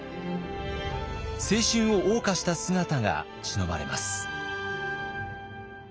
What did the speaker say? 青春をおう歌した姿がしのばれます。